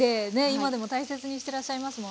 今でも大切にしてらっしゃいますもんね